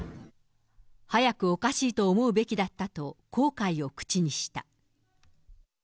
早くおかしいと思うべきだったと、後悔を口にした。